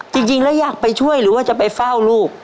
จริงแล้วอยากไปช่วยหรือว่าจะไปเฝ้าลูก